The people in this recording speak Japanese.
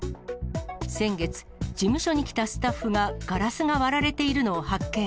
先月、事務所に来たスタッフが、ガラスが割られているのを発見。